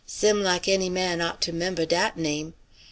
Sim like any man ought to 'member dat name.